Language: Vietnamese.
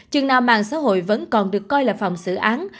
chừng nào mạng xã hội vẫn còn được coi là phòng xử án